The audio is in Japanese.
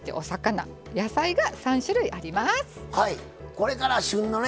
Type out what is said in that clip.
これから旬のね